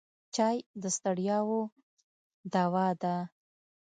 چای د ستړیاوو دوا ده.